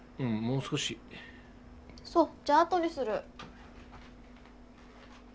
そうじゃああとにする。